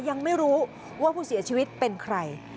ยังไม่รู้ว่าผู้เสียชีวิตเป็นใคร